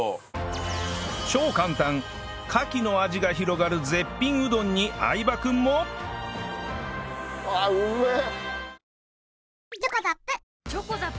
超簡単カキの味が広がる絶品うどんに相葉くんもあっうめえ！